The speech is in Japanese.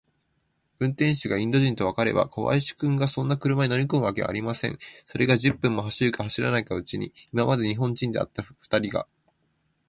運転手がインド人とわかれば、小林君がそんな車に乗りこむわけがありません。それが、十分も走るか走らないうちに、今まで日本人であったふたりが、